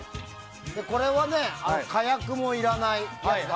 これは火薬もいらないやつで。